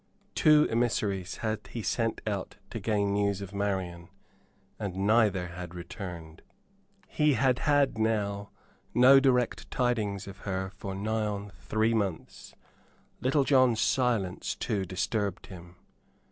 Two emissaries had he sent out to gain news of Marian, and neither had returned. He had had now no direct tidings of her for nigh on three months. Little John's silence, too, disturbed him.